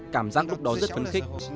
cảm giác lúc đó rất phấn khích